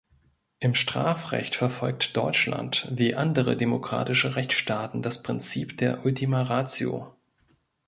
Im Strafrecht verfolgt Deutschland wie andere demokratische Rechtsstaaten das Prinzip der „ultima ratio“.